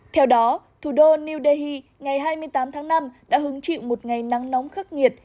theo đó thủ đô new delhi ngày hai mươi tám tháng năm đã hứng chịu một ngày nắng nóng khắc nghiệt